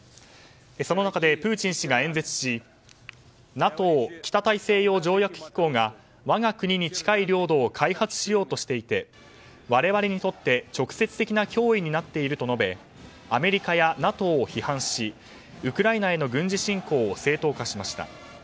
その中で、プーチン氏が演説しＮＡＴＯ・北大西洋条約機構が我が国に近い領土を開発しようとしていて我々にとって直接的な脅威になっていると述べアメリカやＮＡＴＯを批判しウクライナへの軍事侵攻を正当化しました。